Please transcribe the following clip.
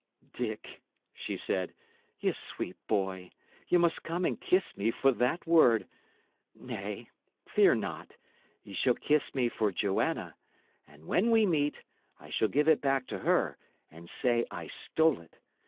"Dick," she said, "ye sweet boy, ye must come and kiss me for that word. Nay, fear not, ye shall kiss me for Joanna; and when we meet, I shall give it back to her, and say I stole it.